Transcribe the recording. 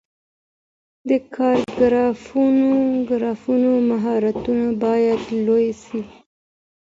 د کارګرانو مهارتونه باید لوړ سي.